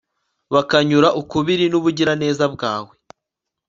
bakanyura ukubiri n'ubugiraneza bwawe